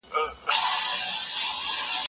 دسمندر اوبو هم خوندزما د اوښکو درلود